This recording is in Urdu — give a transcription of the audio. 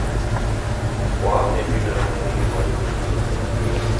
خواب میں بھی ڈرانے والی بولی وڈ فلمیں